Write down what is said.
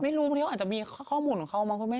ไม่รู้เพราะเขาอาจจะมีข้อมูลของเขามากกว่าไม่